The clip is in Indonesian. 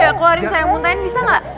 iya keluarin sayang muntahin bisa gak